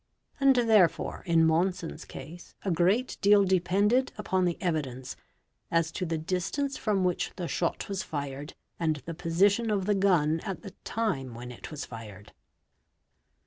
And, therefore, in 'Monson's case a great deal depended upon the evidence as to the distance from which the shot was fired and the position of the gun at the time | when it was fired."